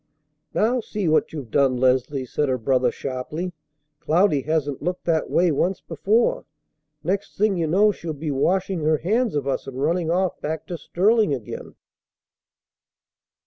"Now see what you've done, Leslie!" said her brother sharply. "Cloudy hasn't looked that way once before. Next thing you know she'll be washing her hands of us and running off back to Sterling again."